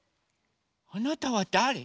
⁉あなたはだれ？